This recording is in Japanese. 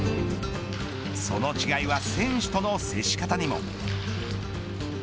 その違いは選手との接し方にも。